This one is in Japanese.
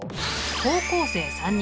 高校生３人。